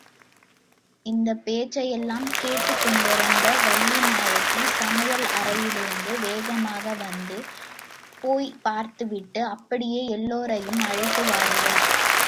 இந்தப் பேச்சையெல்லாம் கேட்டுக்கொண்டிருந்த வள்ளிநாயகி சமையல் அறையிலிருந்து வேகமாக வந்து, போய்ப் பார்த்துவிட்டு அப்படியே எல்லாரையும் அழைத்து வாருங்கள்.